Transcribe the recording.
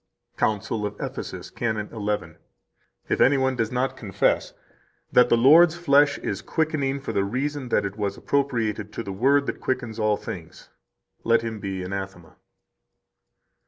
134 COUNCIL OF EPHESUS, Canon 11 (in Cyril, t. 6, p. 196): "If anyone does not confess that the Lord's flesh is quickening, for the reason that it was appropriated to the Word that quickens all things, let him be anathema."